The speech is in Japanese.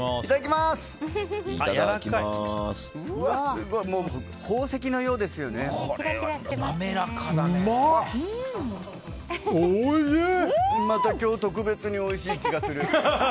また今日特別においしい気がする！